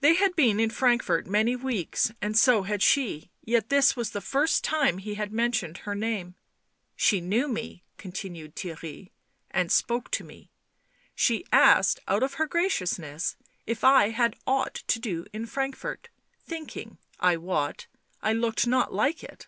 They had been in Frankfort many weeks, and so had she, yet this was the first time that he had men tioned her name. " She knew me," continued Theirry; " and spoke to me. She asked, out of her graciousness, if I had aught to do in Frankfort ... thinking, I wot, I looked not like it."